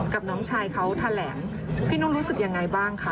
กับน้องชายเขาแถลงพี่นุ่งรู้สึกยังไงบ้างคะ